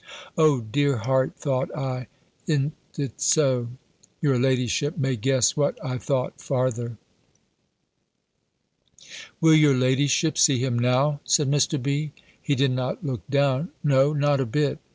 "O dear heart," thought I, "i'n't it so!" Your ladyship may guess what I thought farther. "Will your ladyship see him now?" said Mr. B. He did not look down; no, not one bit!